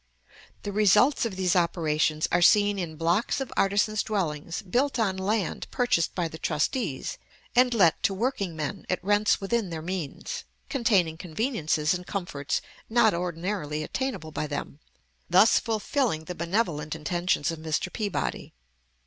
The results of these operations are seen in blocks of artisans' dwellings built on land purchased by the trustees and let to working men at rents within their means, containing conveniences and comforts not ordinarily attainable by them, thus fulfilling the benevolent intentions of Mr. Peabody.